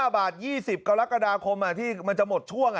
๕บาท๒๐กรกฎาคมที่มันจะหมดช่วง